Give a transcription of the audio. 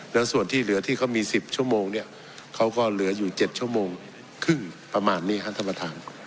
แล้วส่วนที่เหลือที่เขามี๑๐ชั่วโมงเนี่ยเขาก็เหลืออยู่๗ชั่วโมงครึ่งประมาณนี้ครับท่านประธาน